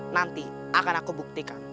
nanti akan aku buktikan